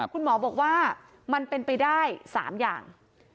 คุณหมอบอกว่ามันเป็นไปได้๓อย่าง